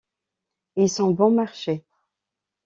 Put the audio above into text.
Ils sont bon marché.